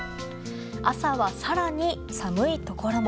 朝は更に寒いところも。